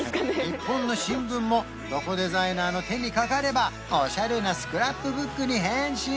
日本の新聞もロコデザイナーの手にかかればオシャレなスクラップブックに変身！